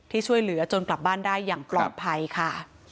ช่วยเหลือจนกลับบ้านได้อย่างปลอดภัยค่ะ